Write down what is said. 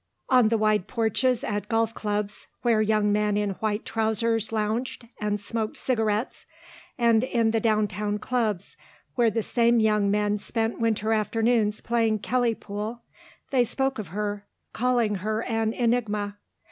On the wide porches at golf clubs, where young men in white trousers lounged and smoked cigarettes, and in the down town clubs, where the same young men spent winter afternoons playing Kelly pool, they spoke of her, calling her an enigma.